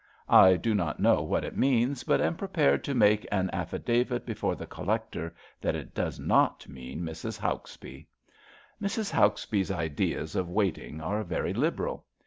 I do not know what it means, but am prepared to make an affi davit before the Collector that it does not mean Mrs. Hanksbee. Mrs. Hanksbee 's ideas of waiting are very liberal.